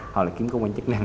hoặc là kiếm công an chức năng